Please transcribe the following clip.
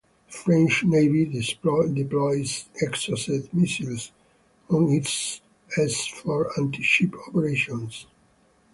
The French Navy deploys Exocet missiles on its s for anti-ship operations.